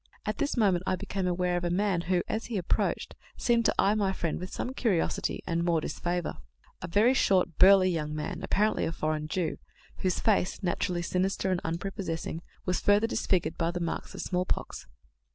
At this moment I became aware of a man who, as he approached, seemed to eye my friend with some curiosity and more disfavour; a very short, burly young man, apparently a foreign Jew, whose face, naturally sinister and unprepossessing, was further disfigured by the marks of smallpox.